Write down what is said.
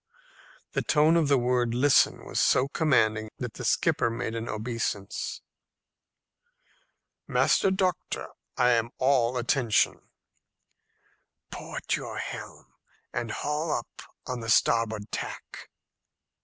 The tone of the word "listen" was so commanding that the skipper made an obeisance. "Master Doctor, I am all attention." "Port your helm, and haul up on the starboard tack."